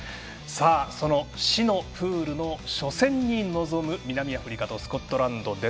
その死のプールの初戦に臨む南アフリカとスコットランド。